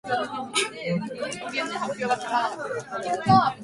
でーたさいえんす。